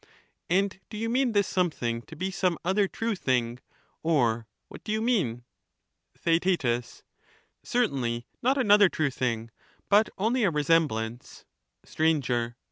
And do you mean this something to be some other true thing, or what do you mean ? Theaet. Certainly not another true thing, but only a resem blance. Str.